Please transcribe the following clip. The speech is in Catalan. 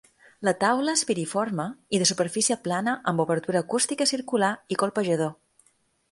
La taula és piriforme i de superfície plana amb obertura acústica circular i colpejador.